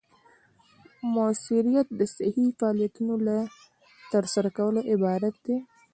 مؤثریت د صحیح فعالیتونو له ترسره کولو عبارت دی.